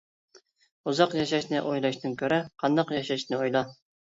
ئۇزاق ياشاشنى ئويلاشتىن كۆرە، قانداق ياشاشنى ئويلا!